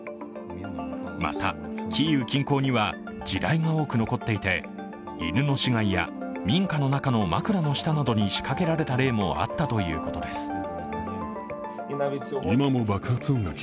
また、キーウ近郊には地雷が多く残っていて、犬の死骸や民家の中の枕の下などに仕掛けられた例もあったということです。